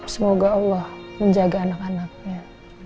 semoga allah menjaga anak anaknya